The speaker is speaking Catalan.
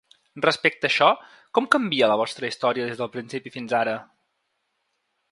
Respecte a això, ¿com canvia la vostra història des del principi fins ara?